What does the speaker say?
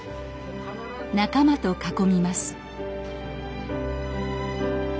仲間と囲みます